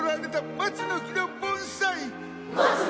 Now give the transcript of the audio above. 松の木の盆栽。